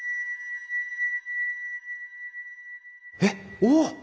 えっおお！